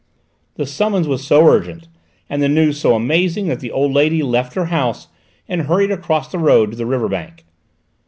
The summons was so urgent, and the news so amazing, that the old lady left her house and hurried across the road to the river bank.